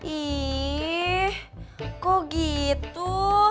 ih kok gitu